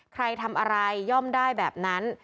ใครทำอะไรย่อมได้แบบนั้น